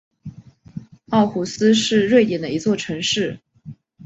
奥胡斯是瑞典的一座城市。